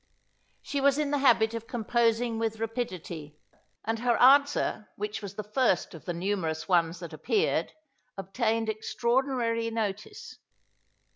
She was in the habit of composing with rapidity, and her answer, which was the first of the numerous ones that appeared, obtained extraordinary notice.